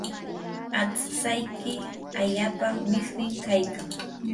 aqtsayki allaapa wiswimim kaykan.